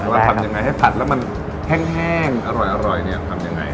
ว่าทำยังไงให้ผัดแล้วมันแห้งอร่อยเนี่ยทำยังไง